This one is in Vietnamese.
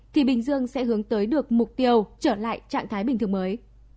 thì bình dương sẽ hướng tới được mục tiêu trở lại trạng thái bình thường mới